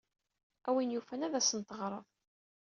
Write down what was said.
A win yufan ad asent-teɣred.